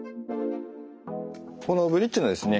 このブリッジのですね